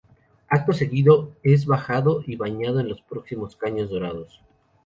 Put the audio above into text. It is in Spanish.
Acto seguido es bajado y bañado en los próximos Caños Dorados.